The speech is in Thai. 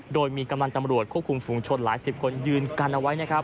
โดยมีกำลังตำรวจควบคุมฝุงชนหลายสิบคนยืนกันเอาไว้นะครับ